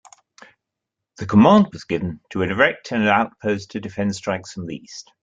The command was given to erect an outpost to defend strikes from the east.